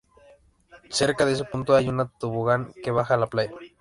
Cerca de ese punto hay un tobogán que baja a la playa.